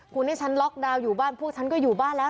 คุณให้ฉันล็อกดาวน์อยู่บ้านพวกฉันก็อยู่บ้านแล้ว